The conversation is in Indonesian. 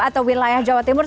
atau wilayah jawa timur